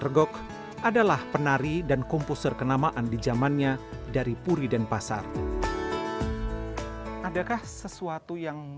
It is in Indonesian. regog adalah penari dan komposer kenamaan di zamannya dari puri dan pasar adakah sesuatu yang